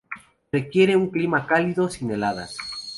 Requiere un clima cálido, sin heladas.